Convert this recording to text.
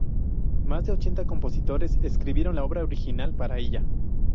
Más de ochenta compositores escribieron obra original para ella.